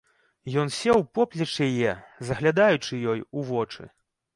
Ён сеў поплеч яе, заглядаючы ёй у вочы.